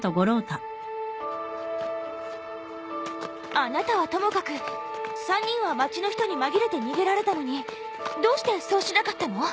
あなたはともかく３人は町の人に紛れて逃げられたのにどうしてそうしなかったの？